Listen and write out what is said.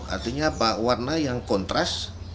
artinya pak warna yang kontras dengan lampu